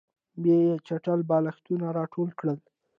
بیا یې چټل بالښتونه راټول کړل